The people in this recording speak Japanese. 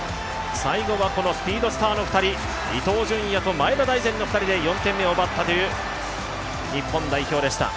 最後はスピードスターの２人、伊東純也と前田大然の２人で４点目を奪ったという日本代表でした。